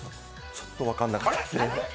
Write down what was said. ちょっと分からなかったですね。